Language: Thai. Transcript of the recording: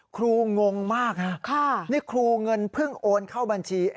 งงมากนะนี่ครูเงินเพิ่งโอนเข้าบัญชี